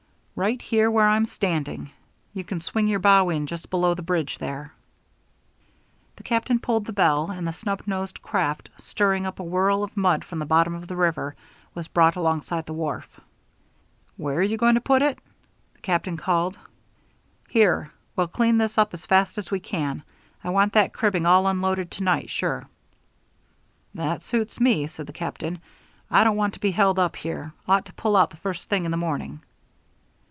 "Right here, where I'm standing. You can swing your bow in just below the bridge there." The captain pulled the bell, and the snub nosed craft, stirring up a whirl of mud from the bottom of the river, was brought alongside the wharf. "Where are you going to put it?" the captain called. "Here. We'll clean this up as fast as we can. I want that cribbing all unloaded to night, sure." "That suits me," said the captain. "I don't want to be held up here ought to pull out the first thing in the morning."